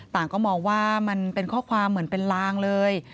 ก็มองว่ามันเป็นข้อความเหมือนเป็นลางเลย